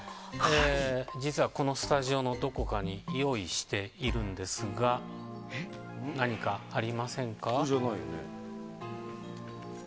実は、このスタジオのどこかに用意しているんですが何かありませんか？